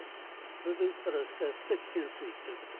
それで撃ったら撃ち返して危険水域ということ。